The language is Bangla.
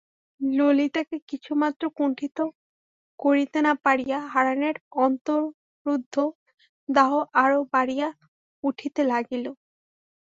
ললিতাকে কিছুমাত্র কুণ্ঠিত করিতে না পারিয়া হারানের অন্তররুদ্ধ দাহ আরো বাড়িয়া উঠিতে লাগিল।